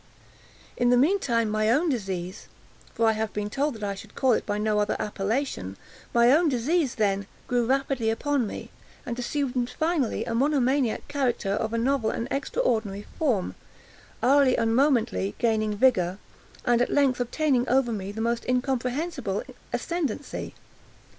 In the mean time my own disease—for I have been told that I should call it by no other appellation—my own disease, then, grew rapidly upon me, and assumed finally a monomaniac character of a novel and extraordinary form—hourly and momently gaining vigor—and at length obtaining over me the most incomprehensible ascendancy.